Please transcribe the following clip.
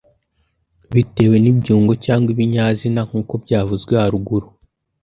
bitewe n’ibyungo cyangwa ibinyazina nk’uko byavuzwe haruguru.